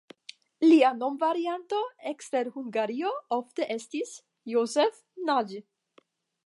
Lia nomvarianto ekster Hungario ofte estis "Joseph Nadj".